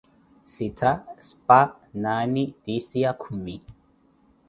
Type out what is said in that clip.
Sittha, spa, naane, tiisiya, kumi.